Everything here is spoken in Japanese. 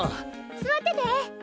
座ってて。